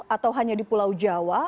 atau hanya di pulau jawa